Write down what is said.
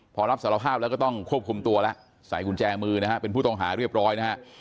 พอรับสารภาพแล้วก็ต้องควบคุมตัวแล้วใส่กุญแจมือนะฮะเป็นผู้ต้องหาเรียบร้อยนะฮะ